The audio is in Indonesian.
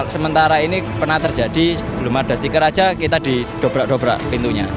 sementara ini pernah terjadi belum ada stiker aja kita didobrak dobrak pintunya